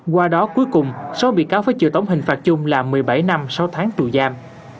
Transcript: qua đó cuối cùng số bị cáo với trự tống hình phạt chung là một mươi bảy năm sáu tháng tù giam